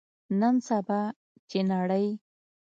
نن سبا، چې نړۍ